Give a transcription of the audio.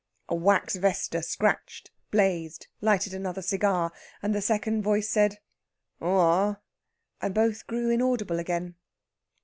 A wax vesta scratched, blazed, lighted another cigar, and the second voice said, "Oh ah!" and both grew inaudible again.